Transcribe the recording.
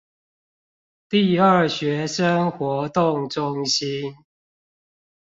第二學生活動中心